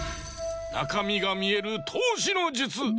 なかみがみえるとうしのじゅつ。